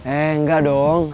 eh enggak dong